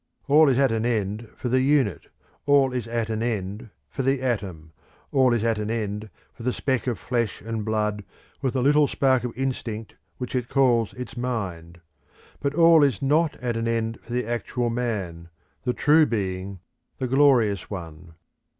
All is at an end for the unit, all is at an end for the atom, all is at an end for the speck of flesh and blood with the little spark of instinct which it calls its mind, but all is not at an end for the actual Man, the true Being, the glorious One.